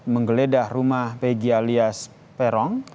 menggeledah rumah pegi alias peron